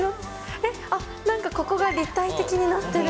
えっ？あっ、なんかここが立体的になってる。